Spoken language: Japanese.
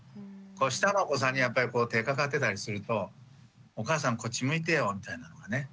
下のお子さんにやっぱり手かかってたりするとお母さんこっち向いてよみたいなのがね。